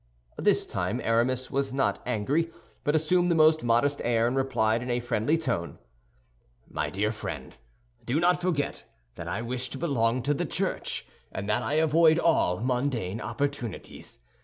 This time Aramis was not angry, but assumed the most modest air and replied in a friendly tone, "My dear friend, do not forget that I wish to belong to the Church, and that I avoid all mundane opportunities.